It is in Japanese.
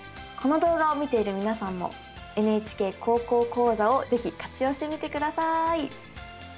この動画を見ている皆さんも「ＮＨＫ高校講座」を是非活用してみてください。